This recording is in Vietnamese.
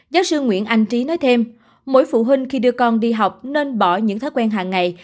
giáo sư nguyễn anh trí nói thêm mỗi phụ huynh khi đưa con đi học nên bỏ những thói quen hàng ngày